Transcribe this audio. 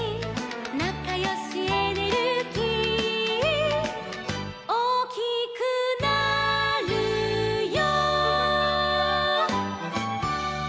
「なかよしエネルギー」「おおきくなるよ」